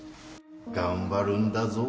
・頑張るんだぞ